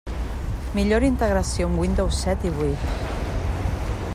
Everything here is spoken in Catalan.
Millor integració amb Windows set i vuit.